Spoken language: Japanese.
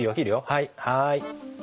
はいはい。